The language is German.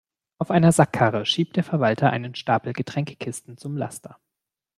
Auf einer Sackkarre schiebt der Verwalter einen Stapel Getränkekisten zum Laster.